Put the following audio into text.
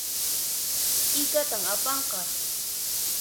T'ikatan apanqa